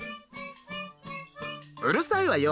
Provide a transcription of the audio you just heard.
「うるさいわよ！